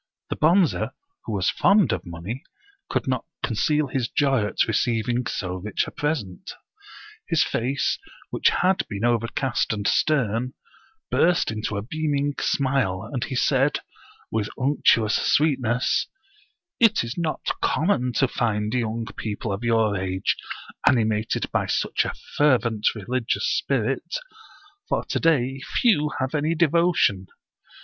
The Bonze, who was fond of money, could not conceal his joy at receiving so rich a present. His face, which had been overcast and stern, burst into a beaming smile, and he said, with unctuous sweetness: " It is not common to find young people of your age animated by such a fer vent religious spirit, for to day few have any devotion.